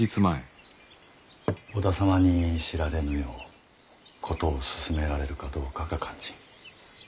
織田様に知られぬよう事を進められるかどうかが肝心。